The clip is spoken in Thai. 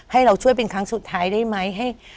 ให้เราช่วยเป็นครั้งสุดท้ายได้ไหม